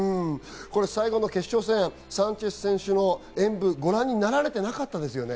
最後の決勝戦、サンチェス選手の演武をご覧になられてなかったですね。